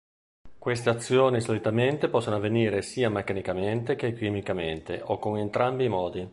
Queste azioni solitamente possono avvenire sia meccanicamente che chimicamente o con entrambi i modi.